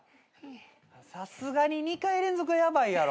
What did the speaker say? さすがに２回連続はヤバいやろ。